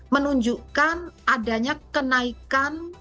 menunjukkan adanya kenaikan